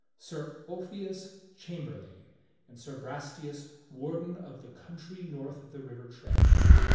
Sir Ulfius cham berlain, and Sir Brastias warden of the country north of the River Trent.